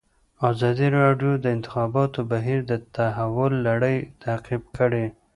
ازادي راډیو د د انتخاباتو بهیر د تحول لړۍ تعقیب کړې.